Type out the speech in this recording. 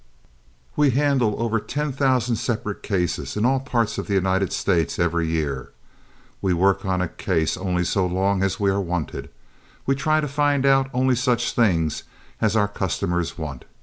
We handle over ten thousand separate cases in all parts of the United States every year. We work on a case only so long as we are wanted. We try to find out only such things as our customers want.